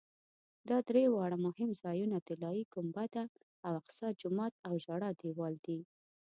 دا درې واړه مهم ځایونه طلایي ګنبده او اقصی جومات او ژړا دیوال دي.